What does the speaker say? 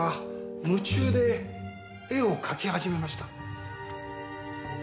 夢中で絵を描き始めました。